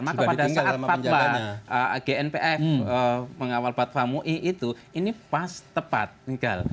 maka pada saat fatwa gnpf mengawal fatwa mui itu ini pas tepat tinggal